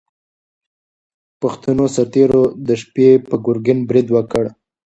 پښتنو سرتېرو د شپې پر ګورګین برید وکړ.